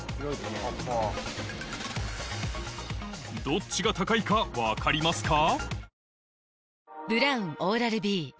どっちが高いか分かりますか？